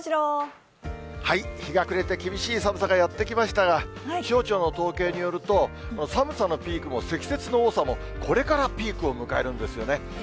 日が暮れて、厳しい寒さがやって来ましたが、気象庁の統計によると、寒さのピークも、積雪の多さも、これからピークを迎えるんですよね。